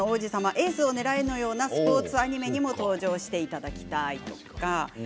「エースをねらえ！」のようなスポーツアニメにも登場していただきたい。